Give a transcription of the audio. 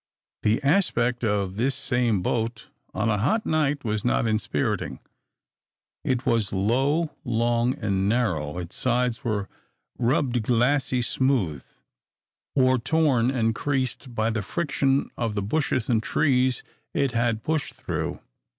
The aspect of this same boat on a hot night was not inspiriting. It was low, long, and narrow; its sides were rubbed glassy smooth, or torn and creased by the friction of the bushes and trees it had pushed through.